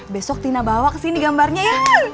besok tina bawa ke sini gambarnya ya